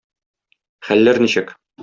Хәлләр ничек?